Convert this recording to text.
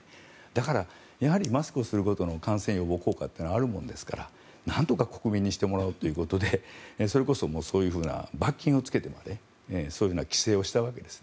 だから、マスクをすることの感染予防効果はあるものですからなんとか国民にしてもらおうということでそれこそそういうふうな罰金をつけてまでそういうふうな規制をしたわけです。